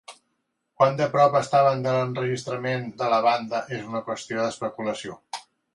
Quan de prop estaven de l'enregistrament de la Banda, és una qüestió d'especulació.